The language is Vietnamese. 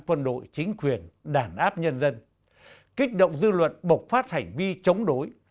quân đội chính quyền đàn áp nhân dân kích động dư luận bộc phát hành vi chống đối